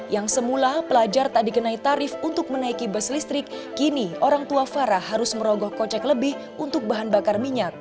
yang semula pelajar tak dikenai tarif untuk menaiki bus listrik kini orang tua farah harus merogoh kocek lebih untuk bahan bakar minyak